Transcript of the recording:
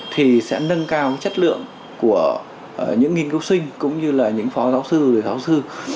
thì sẽ nâng cao chất lượng của những nghiên cứu sinh cũng như là những phó giáo sư giáo sư